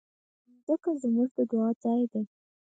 مځکه زموږ د دعا ځای ده.